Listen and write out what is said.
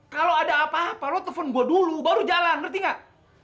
kalau ada apa apa lo telepon gue dulu baru jalan ngerti gak